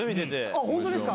あっ本当ですか？